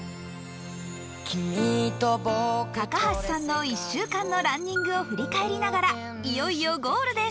高橋さんの１週間のランニングを振り返りながらいよいよゴールです。